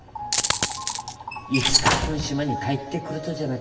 いつかこん島に帰ってくるとじゃな